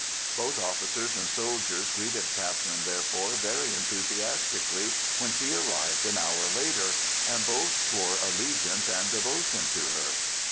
Both officers and soldiers greeted Catherine, therefore, very enthusiastically when she arrived an hour later, and both swore allegiance and devotion to her.